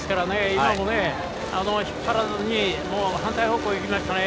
今のも引っ張らずに反対方向に行きましたね。